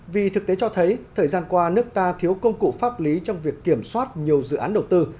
vì thực tế cho thấy thời gian qua nước ta thiếu công cụ pháp lý trong việc kiểm soát nhiều dự án đầu tư